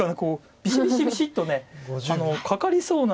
ビシビシビシッとかかりそうなので。